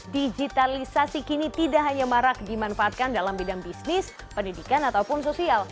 digitalisasi kini tidak hanya marak dimanfaatkan dalam bidang bisnis pendidikan ataupun sosial